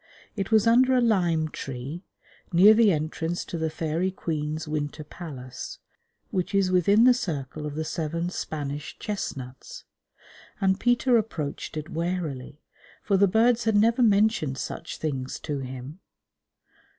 It was under a lime tree, near the entrance to the Fairy Queen's Winter Palace (which is within the circle of the seven Spanish chestnuts), and Peter approached it warily, for the birds had never mentioned such things to him.